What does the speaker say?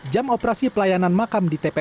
jam operasi pelayanan makam di tpu